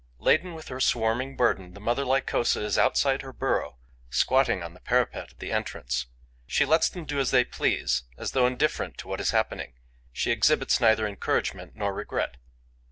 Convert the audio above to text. Laden with her swarming burden, the mother Lycosa is outside her burrow, squatting on the parapet at the entrance. She lets them do as they please; as though indifferent to what is happening, she exhibits neither encouragement nor regret.